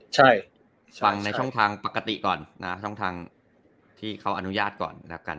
ใช่ฟังในช่องทางปกติก่อนนะช่องทางที่เขาอนุญาตก่อนแล้วกัน